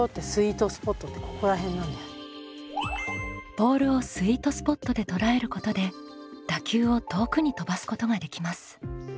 ボールをスイートスポットで捉えることで打球を遠くに飛ばすことができます。